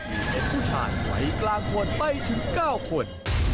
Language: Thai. อยู่ในผู้ชาญไว้กลางคนไปถึงเก้าคน